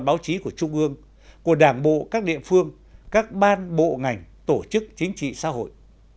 báo chí của trung ương của đảng bộ các địa phương các ban bộ ngành tổ chức chính trị xã hội